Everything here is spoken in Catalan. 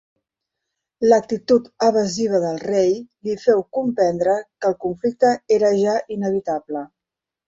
L'actitud evasiva del rei li féu comprendre que el conflicte era ja inevitable.